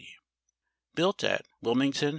Built at Wilmington, N.